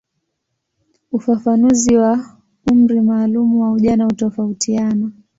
Ufafanuzi wa umri maalumu wa ujana hutofautiana.